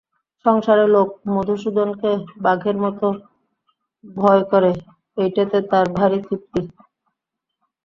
সংসারের লোক মধুসূদনকে বাঘের মতো ভয় করে এইটেতে তার ভারি তৃপ্তি।